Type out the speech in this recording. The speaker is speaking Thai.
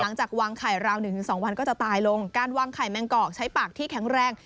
หลังจากวางไข่ราวหนึ่งถึงสองวันก็จะตายลงการวางไข่แมงกอกใช้ปากที่แข็งแรง